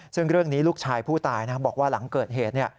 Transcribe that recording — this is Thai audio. ซึ่งเรื่องนี้ลูกชายผู้ตายบอกว่าหลังเกิดเหตุ